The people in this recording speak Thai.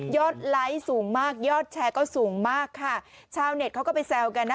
ไลค์สูงมากยอดแชร์ก็สูงมากค่ะชาวเน็ตเขาก็ไปแซวกันนะ